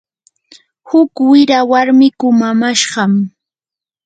huk wira warmi kumamashqam.